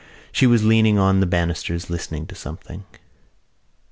She was leaning on the banisters, listening to something.